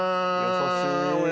優しい。